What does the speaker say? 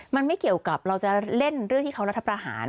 มันไม่เกี่ยวกับเราจะเล่นเรื่องที่เขารัฐประหาร